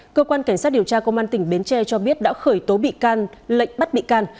cơ quan cảnh sát điều tra công an tỉnh bến tre cho biết đã khởi tố bị can lệnh bắt bị can